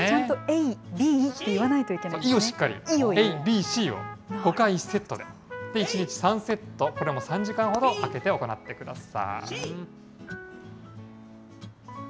えい、びい、しいを５回１セットで、１日３セット、これは３時間ほど空けて行ってください。